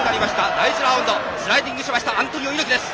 第１ラウンドスライディングしましたアントニオ猪木です。